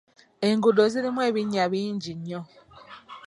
Enguudo zirumu ebinnya bingi nnyo.